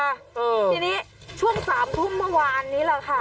ทีนี้ช่วง๓ทุ่มเมื่อวานนี้แหละค่ะ